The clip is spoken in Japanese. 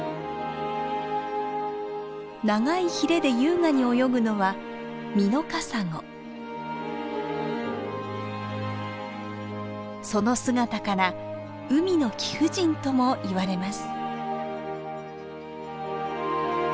長いヒレで優雅に泳ぐのはその姿から「海の貴婦人」とも言われます。